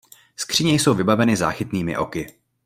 Skříně jsou vybaveny záchytnými oky.